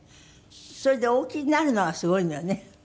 それでお起きになるのがすごいのよね。